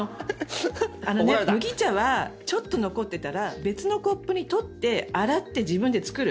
麦茶はちょっと残っていたら別のコップに取って洗って、自分で作る。